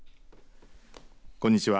こんにちは。